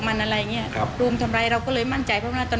สนุนโดยสายการบินไทยนครปวดท้องเสียขับลมแน่นท้อง